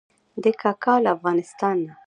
دی کاکا له افغانستانه.